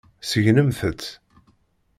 Segnemt-tt.